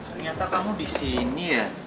ternyata kamu disini ya